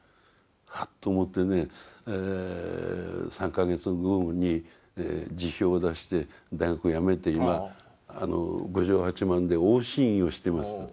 ハッと思ってね３か月後に辞表を出して大学を辞めて今郡上八幡で往診医をしてますと。